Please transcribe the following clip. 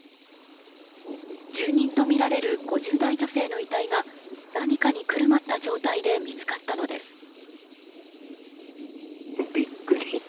住人とみられる５０代女性の遺体が何かに包まった状態で見つかったのです。